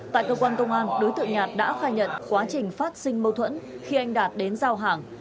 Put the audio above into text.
tại cơ quan công an đối tượng nhạt đã khai nhận quá trình phát sinh mâu thuẫn khi anh đạt đến giao hàng